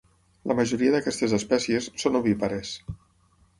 La majoria d'aquestes espècies són ovípares.